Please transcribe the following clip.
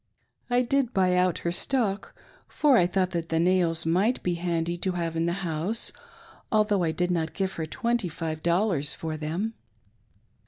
I did buy out her stock, for I thought that the nails might be handy to have in the house, although I did not give her twenty five dollars^for them.